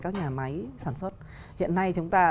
các nhà máy sản xuất hiện nay chúng ta